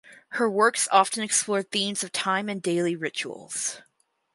Her works often explore themes of time and daily rituals.